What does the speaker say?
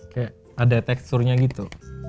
kayak ada teksturnya gitu